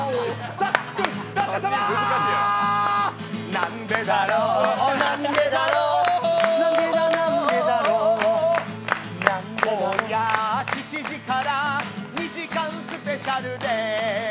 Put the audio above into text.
なんでだろう、なんでだろう、なんでだなんでだろう。今夜７時から２時間スペシャルです。